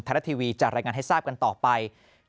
รัฐทีวีจะรายงานให้ทราบกันต่อไป